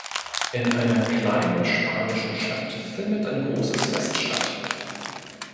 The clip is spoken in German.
In einer kleinen spanischen Stadt findet ein großes Fest statt.